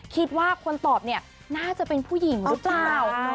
คิดว่าคนตอบเนี่ยน่าจะเป็นผู้หญิงหรือเปล่า